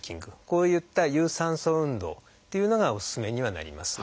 こういった有酸素運動っていうのがおすすめにはなります。